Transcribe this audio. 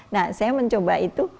nah saya mencoba itu